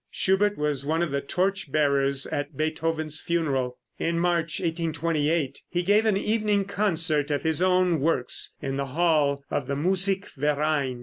Schubert was one of the torch bearers at Beethoven's funeral. In March 1828, he gave an evening concert of his own works in the hall of the Musikverein.